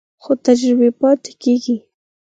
خو تجربې پاتې کېږي.